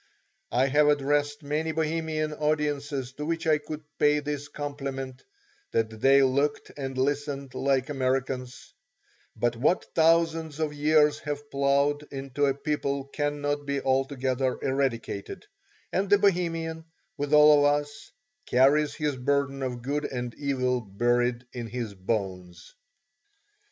I have addressed many Bohemian audiences to which I could pay this compliment, that they looked and listened like Americans; but what thousands of years have plowed into a people cannot be altogether eradicated, and the Bohemian, with all of us, carries his burden of good and evil buried in his bones.